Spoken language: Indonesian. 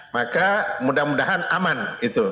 maka mudah mudahan aman itu